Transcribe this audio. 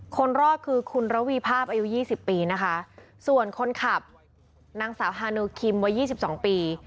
คนรอดคือคุณระวีภาพอายุ๒๐ปีนะคะส่วนคนขับนางสาวฮานูคิมวัย๒๒ปี